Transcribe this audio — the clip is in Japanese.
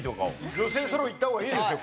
女性ソロいった方がいいですよ